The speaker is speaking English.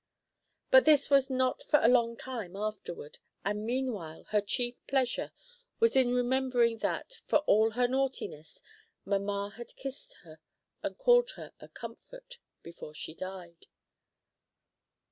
But this was not for a long time afterward, and meanwhile her chief pleasure was in remembering, that, for all her naughtiness, mamma had kissed her and called her "a comfort" before she died.